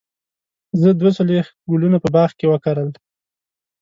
زه دوه څلوېښت ګلونه په باغ کې وکرل.